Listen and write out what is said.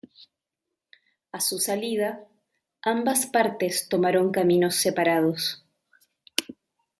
A su salida, ambas partes tomaron caminos separados.